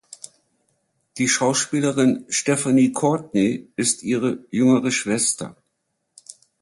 Die Schauspielerin Stephanie Courtney ist ihre jüngere Schwester.